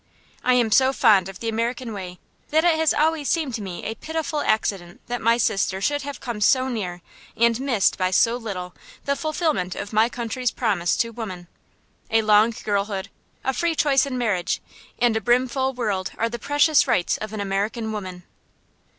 I am so fond of the American way that it has always seemed to me a pitiful accident that my sister should have come so near and missed by so little the fulfilment of my country's promise to women. A long girlhood, a free choice in marriage, and a brimful womanhood are the precious rights of an American woman.